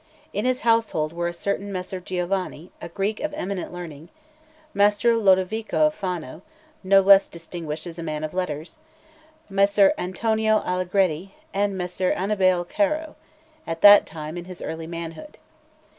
In his household were a certain Messer Giovanni, a Greek of eminent learning, Messer Lodovico of Fano, no less distinguished as a man of letters, Messer Antonio Allegretti, and Messer Annibale Caro, at that time in his early manhood.